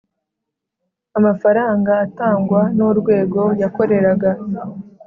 amafaranga atangwa nurwego yakoreraga